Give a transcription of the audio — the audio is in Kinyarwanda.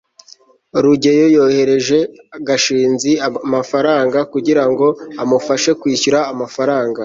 rugeyo yohereje gashinzi amafaranga kugira ngo amufashe kwishyura amafaranga